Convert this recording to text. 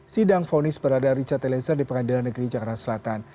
sidang fonis berada richard eliezer di pengadilan negeri jakarta selatan